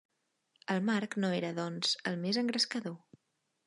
El marc no era, doncs, el més engrescador.